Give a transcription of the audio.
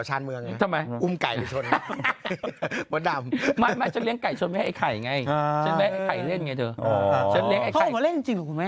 เพราะผมมาเล่นจริงหรือคุณแม่